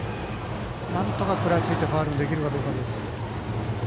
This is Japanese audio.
なんとか食らいついてファウルにできるかどうかです。